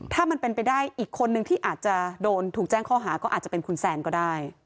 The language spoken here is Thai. ถ้ามันเป็นไปได้อีกคนนึงที่อาจจะโดนถูกแจ้งข้อหาก็อาจจะเป็นคุณแซนก็ได้